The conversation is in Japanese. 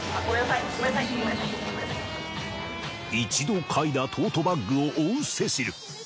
一度かいだトートバッグを追うセシル。